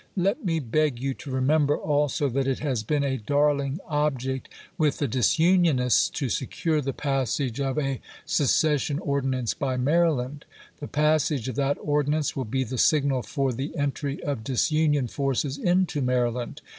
Let me beg you to remember also that it chap. viii. has been a darling object with the disunionists to secure the passage of a secession ordinance by Maryland. The passage of that ordinance will be the signal for the entry of disunion forces into Maryland.